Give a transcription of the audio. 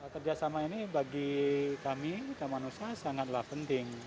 kerjasama ini bagi kami taman usaha sangatlah penting